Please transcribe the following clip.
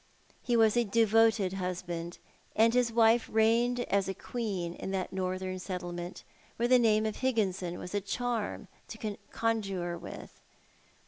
He was a devoted husband, and his wife reigned as a queen in that northern settlement where the name of Higginson was a charm to conjure with.